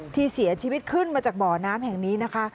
ที่เสียชีวิตขึ้นมาจากบ่อน้ำแห่งนี้นะคะ